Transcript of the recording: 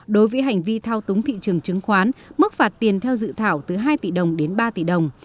đối với hành vi thao túng thị trường chứng khoán mức phạt tiền theo dự thảo từ hai tỷ đồng đến ba tỷ đồng